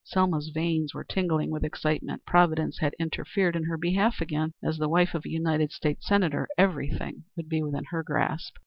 Selma's veins were tingling with excitement. Providence had interfered in her behalf again. As the wife of a United States Senator, everything would be within her grasp.